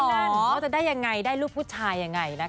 ว่าจะได้อย่างไรได้รูปผู้ชายอย่างไรนะคะ